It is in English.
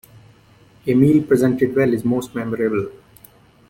A meal presented well is most memorable.